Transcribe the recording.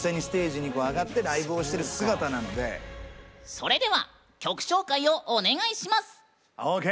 それでは曲紹介をお願いします！ＯＫ！